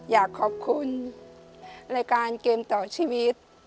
อยากขอบคุณรายการเกมต่อชีวิต